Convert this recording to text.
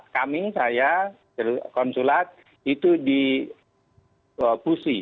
kami saya konsulat itu di pusi